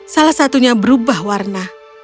salah satunya berubah warna